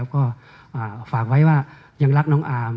ก็ฝากไว้ว่ายังรักน้องอาร์ม